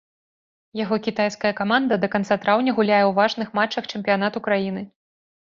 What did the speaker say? Яго кітайская каманда да канца траўня гуляе ў важных матчах чэмпіянату краіны.